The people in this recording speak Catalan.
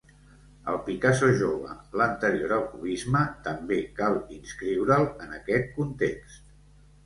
El Picasso jove, l'anterior al cubisme, també cal inscriure'l en aquest context.